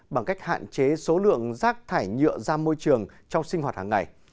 bằng cách hạn chế số lượng rác thải nhựa ra môi trường trong sinh hoạt hàng ngày